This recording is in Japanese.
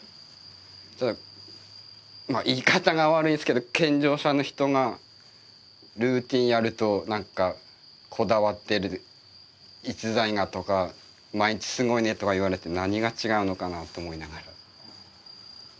ただ言い方が悪いんですけど健常者の人がルーティンやると何かこだわってる逸材がとか毎日すごいねとか言われて何が違うのかなと思いながら。